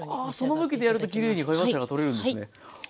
ああその向きでやるときれいに貝柱が取れるんですね。